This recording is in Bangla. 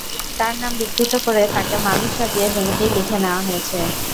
তার নাম বিকৃত করে তাঁকে মালিক সাজিয়ে জমিটি লিখে নেওয়া হয়েছে।